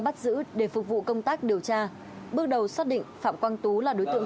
bắt giữ để phục vụ công tác điều tra bước đầu xác định phạm quang tú là đối tượng